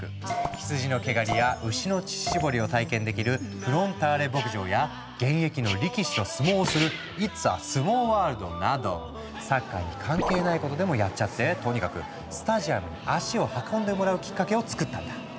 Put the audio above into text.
羊の毛刈りや牛の乳搾りを体験できる「フロンターレ牧場」や現役の力士と相撲をするサッカーに関係ないことでもやっちゃってとにかくスタジアムに足を運んでもらうきっかけをつくったんだ。